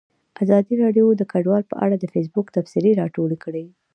ازادي راډیو د کډوال په اړه د فیسبوک تبصرې راټولې کړي.